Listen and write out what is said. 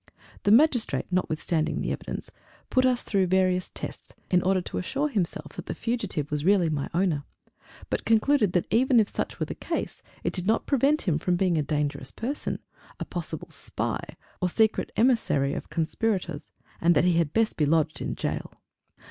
The Magistrate, notwithstanding the evidence, put us through various tests, in order to assure himself that the fugitive was really my owner; but concluded that even if such were the case it did not prevent him from being a dangerous person a possible "spy" or secret emissary of conspirators and that he had best be lodged in jail.